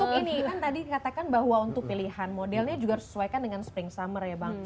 jadi ini kan tadi katakan bahwa untuk pilihan modelnya juga harus disesuaikan dengan spring summer ya bang